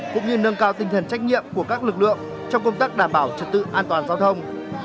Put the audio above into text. cũng như nâng cao tinh thần trách nhiệm của các lực lượng trong công tác đảm bảo trật tự an toàn giao thông